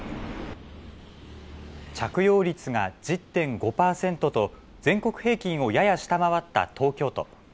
着用率が１０．５％と全国平均をやや下回った東京都。